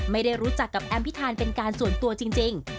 ไม่ได้รู้จักกับแอมพิธานเป็นการส่วนตัวจริง